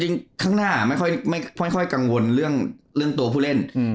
ข้างหน้าไม่ค่อยกังวลเรื่องตัวผู้เล่น